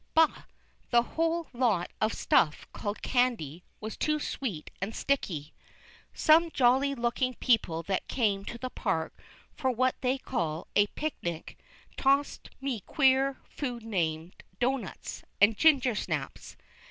Bah! the whole lot of stuff called "candy" was too sweet and sticky. Some jolly looking people that came to the park for what they called a "picnic," tossed me queer food named "doughnuts," and "ginger snaps."